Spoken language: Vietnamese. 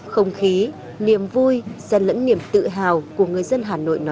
không khí niềm vui gian lẫn niềm tự hào của người dân hà nội này là một cái tự hào